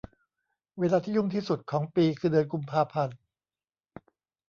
เวลาที่ยุ่งที่สุดของปีคือเดือนกุมภาพันธ์